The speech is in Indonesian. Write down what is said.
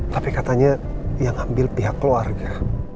tapi katanya yang ambil pihak keluarga